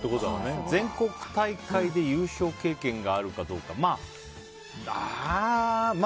全国大会で優勝経験があるかどうか。